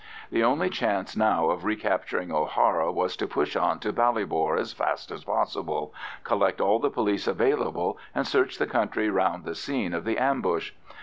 The only chance now of recapturing O'Hara was to push on to Ballybor as fast as possible, collect all the police available, and search the country round the scene of the ambush.